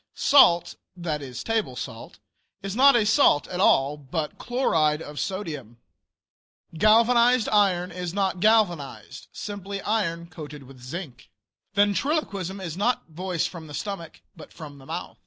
Salt (that is table salt) is not a salt at all, but "chloride of sodium." Galvanized iron is not galvanized simply iron coated with zinc. Ventriloquism is not voice from the stomach, but from the mouth.